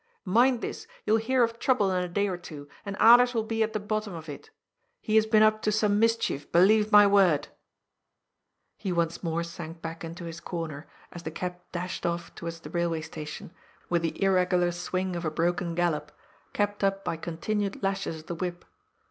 " Mind this, you will hear of trouble in a day or two, and Alers will be at the bottom of it He has been up to some mischief, believe my word !" He once more sank back into his comer, as the cab THE CATASTROPHE. 407 dashed off towards the railway station, with the irregular swing of a broken gallop, kept up by continued lashes of the whip.